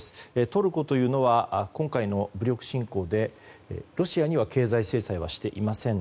トルコというのは今回の武力侵攻でロシアには経済制裁はしていません。